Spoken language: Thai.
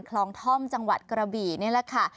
คลองท่อมจังหวัดกระบี่นี่แหละค่ะ